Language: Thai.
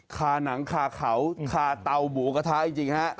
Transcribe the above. หนังคาเขาคาเตาหมูกระทะจริงฮะ